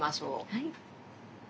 はい。